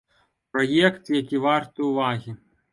Праект, які варты ўвагі.